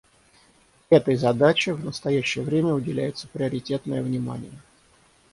Этой задаче в настоящее время уделяется приоритетное внимание.